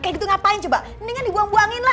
kayak gitu ngapain coba mendingan dibuang buangin lah